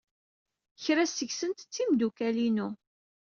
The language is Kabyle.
Kra seg-sent d timeddukal-inu.